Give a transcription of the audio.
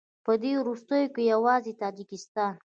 په دې وروستیو کې یوازې تاجکستان